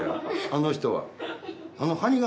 あの人は。